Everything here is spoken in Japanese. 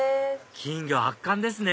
金魚圧巻ですね